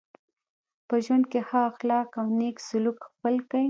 په ژوند کي ښه اخلاق او نېک سلوک خپل کئ.